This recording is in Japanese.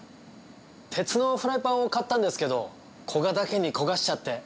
鉄のフライパンを買ったんですけどこがだけに焦がしちゃって。